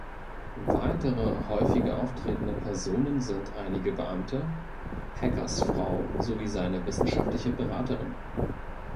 Weitere häufiger auftretende Personen sind einige Beamte, Hackers Frau sowie seine wissenschaftliche Beraterin.